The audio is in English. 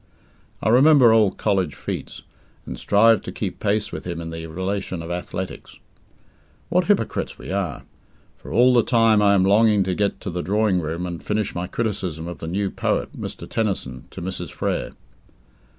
I remember old college feats, and strive to keep pace with him in the relation of athletics. What hypocrites we are! for all the time I am longing to get to the drawing room, and finish my criticism of the new poet, Mr. Tennyson, to Mrs. Frere.